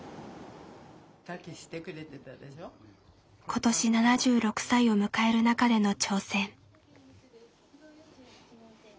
今年７６歳を迎える中での挑戦。